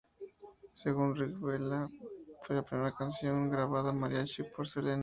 Según Ricky Vela, "fue la primera canción grabada a mariachi por Selena".